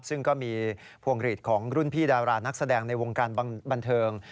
ซึ่งก็มีพวงหลีดของรุ่นพี่ดารานักแสดงในวงการบันเทิง